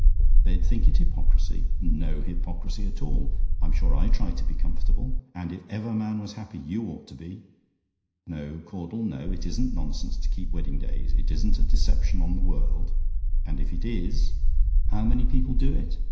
"THEY'D THINK IT HYPOCRISY? "No hypocrisy at all. I'm sure I try to be comfortable; and if ever man was happy, you ought to be. No, Caudle, no; it isn't nonsense to keep wedding days; it isn't a deception on the world; and if it is, how many people do it!